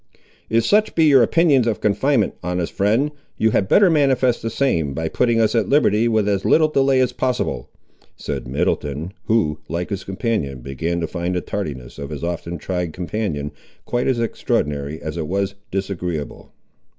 "If such be your opinions of confinement, honest friend, you had better manifest the same, by putting us at liberty with as little delay as possible," said Middleton, who, like his companion, began to find the tardiness of his often tried companion quite as extraordinary as it was disagreeable.